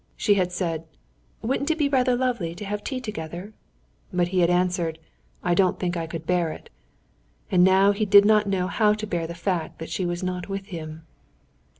She had said: "Wouldn't it be rather lovely to have tea together?" But he had answered: "I don't think I could bear it." And now he did not know how to bear the fact that she was not with him.